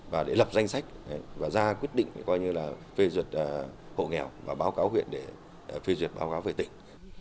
và để lập danh sách và ra quyết định coi như là phê duyệt hộ nghèo và báo cáo huyện để phê duyệt báo cáo về tỉnh